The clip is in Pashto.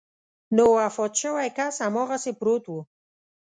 نو وفات شوی کس هماغسې پروت و.